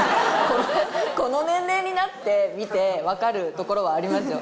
この年齢になってみて分かるところはありますよ。